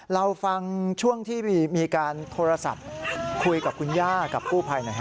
เราฟังช่วงที่มีการโทรศัพท์คุยกับคุณย่ากับกู้ภัยหน่อยฮ